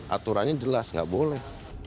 aturannya jelas gak boleh